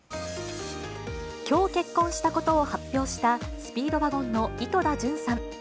きょう結婚したことを発表したスピードワゴンの井戸田潤さん。